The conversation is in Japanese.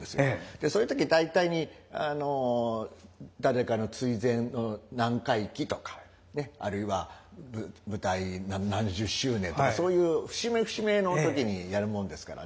そういう時大体に誰かの追善の何回忌とかねあるいは舞台何十周年とかそういう節目節目の時にやるもんですからね。